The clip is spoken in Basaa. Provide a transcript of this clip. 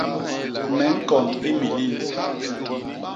Me ñkon imilil.